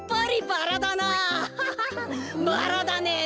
バラだねえ。